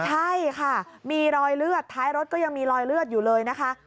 ใช่ค่ะมีรอยเลือดท้ายรถก็ยังมีรอยเลือดอยู่เลยนะคะ